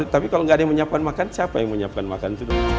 tapi kalau nggak ada yang menyiapkan makan siapa yang menyiapkan makan